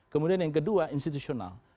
kemudian yang kedua institusional